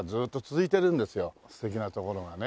素敵な所がね。